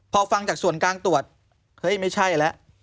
พอฟังจากส่วนกลางตรวจเฮ้ยไม่ใช่แล้ว